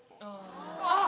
あっ！